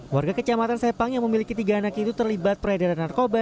warga kecamatan sepang yang memiliki tiga anak itu terlibat peredaran narkoba